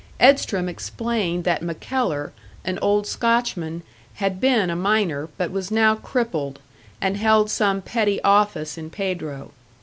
Edstrom explained that MacKellar, an old Scotchman, had been a miner, but was now crippled, and held some petty office in Pedro.